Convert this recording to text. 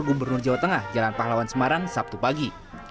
gubernur jawa tengah jalan pahlawan semarang sabtu pagi